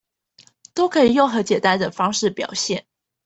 都可以用很簡單的方式表現